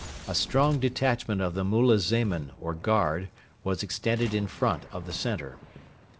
A strong detachment of the mulazemin or guard was extended in front of the centre.